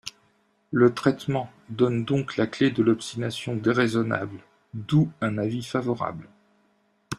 Le traitement donne donc la clé de l’obstination déraisonnable, d’où un avis favorable.